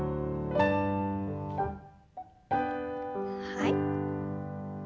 はい。